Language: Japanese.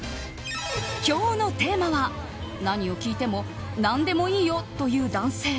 今日のテーマは、何を聞いても何でもいいよと言う男性。